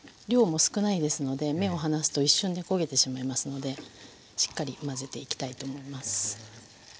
量も少ないですので目を離すと一瞬で焦げてしまいますのでしっかり混ぜていきたいと思います。